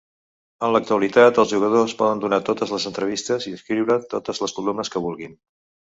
En l'actualitat, els jugadors poden donar totes les entrevistes i escriure totes les columnes que vulguin.